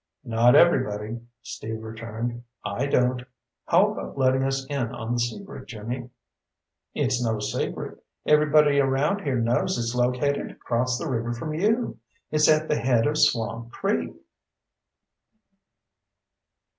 "Not everybody," Steve returned. "I don't. How about letting us in on the secret, Jimmy?" "It's no secret. Everybody around here knows it's located across the river from you. It's at the head of Swamp Creek."